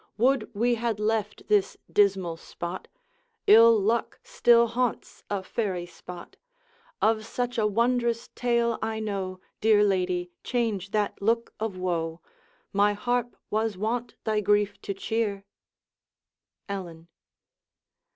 Would we had left this dismal spot! Ill luck still haunts a fairy spot! Of such a wondrous tale I know Dear lady, change that look of woe, My harp was wont thy grief to cheer.' Ellen.